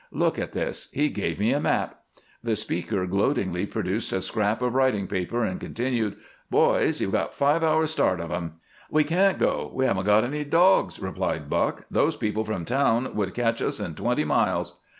Look at this he gave me a map." The speaker gloatingly produced a scrap of writing paper and continued, "Boys, you've got five hours' start of them." "We can't go; we haven't got any dogs," said Buck. "Those people from town would catch us in twenty miles."